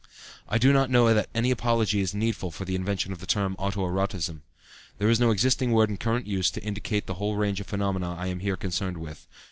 I do not know that any apology is needful for the invention of the term "auto erotism." There is no existing word in current use to indicate the whole range of phenomena I am here concerned with.